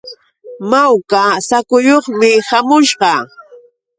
Sawka saakuyuqmi śhamusqa.